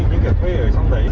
những kiểu thuê ở xong đấy